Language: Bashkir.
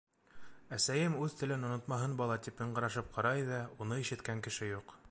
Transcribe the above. Әсәйем, үҙ телен онотмаһын бала, тип ыңғырашып ҡарай ҙа, уны ишеткән кеше юҡ.